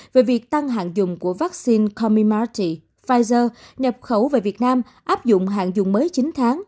về việc tăng hạn dùng của vaccine comimarty pfizer nhập khẩu về việt nam áp dụng hạn dùng mới chín tháng